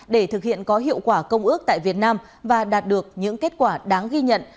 để thực hiện có hiệu quả công ước tại việt nam và đạt được những kết quả đáng ghi nhận